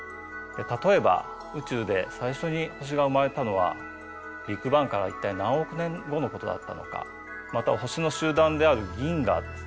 例えば宇宙で最初に星が生まれたのはビッグバンから一体何億年後のことだったのかまたは星の集団である銀河ですね